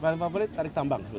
paling favorit tarik tambang